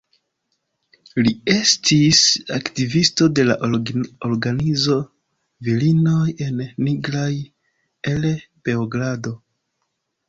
Li estis aktivisto de la organizo Virinoj en Nigraj el Beogrado.